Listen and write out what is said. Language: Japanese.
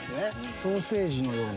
ソーセージのような。